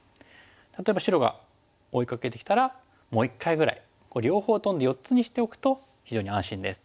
例えば白が追いかけてきたらもう一回ぐらい両方トンで４つにしておくと非常に安心です。